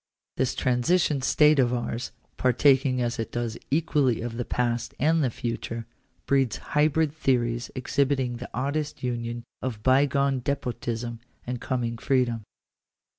This transition state of ours, partaking as it does equally of the past and the future, breeds hybrid theories exhibiting the oddest union of bygone despotism and coming freedom.